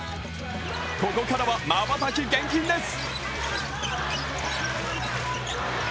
ここからは、瞬き厳禁です。